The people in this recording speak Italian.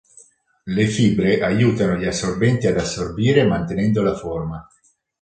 Le fibre aiutano gli assorbenti ad assorbire mantenendo la forma.